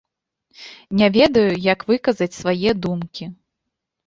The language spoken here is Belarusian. Не ведаю, як выказаць свае думкі.